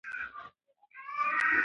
ایا موږ زده کړه ارزښتمنه بولو؟